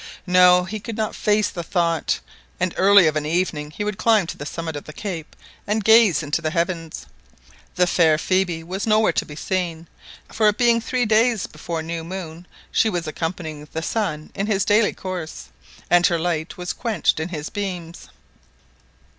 No, he could not face the thought and early of an evening he would climb to the summit of the cape and gaze into the heavens. The fair Phoebe was nowhere to be seen; for it being three days before new moon, she was accompanying the sun in his daily course, and her light was quenched in his beams.